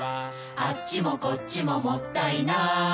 「あっちもこっちももったいない」